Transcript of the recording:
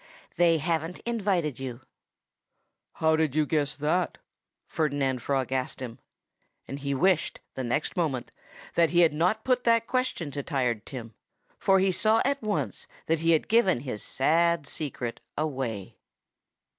"They haven't invited you." "How did you guess that?" Ferdinand Frog asked him. He wished, the next moment, that he had not put that question to Tired Tim. For he saw at once that he had given his sad secret away.